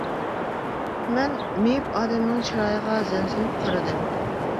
مەن مېيىپ ئادەمنىڭ چىرايىغا زەن سېلىپ قارىدىم.